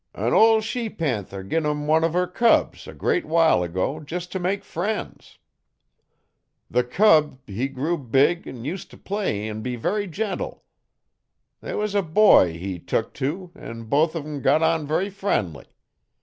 An' ol' she panther gin 'em one uv her cubs, a great while ago, jes t' make frien's. The cub he grew big 'n used t' play 'n be very gentle. They wuz a boy he tuk to, an' both on 'em got very friendly.